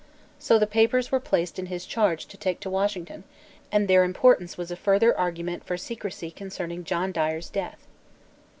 So the papers were placed in his charge to take to Washington, and their importance was a further argument for secrecy concerning John Dyer's death.